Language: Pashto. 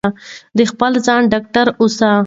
د خپل ځان ډاکټر اوسئ.